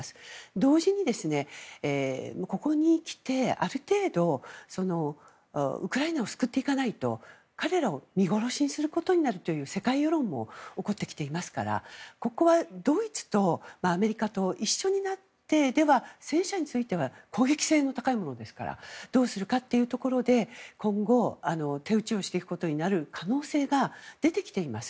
同時に、ここにきてある程度ウクライナを救っていかないと彼らを見殺しにすることになるという世界世論も起こってきていますからここは、ドイツとアメリカと一緒になって戦車については攻撃性の高いものですからどうするかというところで今後、手打ちをしていくことになる可能性が出てきています。